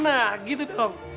nah gitu dong